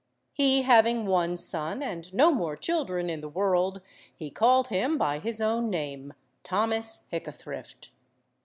He having one son and no more children in the world, he called him by his own name, Thomas Hickathrift.